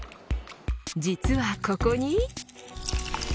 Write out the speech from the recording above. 実は、ここに。